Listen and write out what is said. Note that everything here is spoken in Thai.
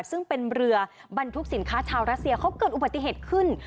ซึ่งเป็นเรือบรรทุกสินค้าชาวรัสเซียเขาเกิดอุบัติเหตุขึ้น